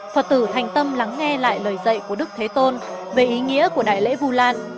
phật tử thành tâm lắng nghe lại lời dạy của đức thế tôn về ý nghĩa của đại lễ vu lan